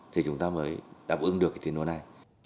thì chúng ta mới đảm ứng được cái tiền đồ này